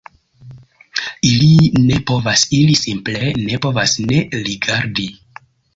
Ili ne povas, ili simple ne povas ne rigardi